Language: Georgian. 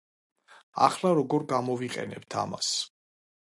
ახლა როგორ გამოვიყენებთ ამას.